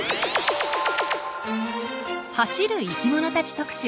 走る生きものたち特集。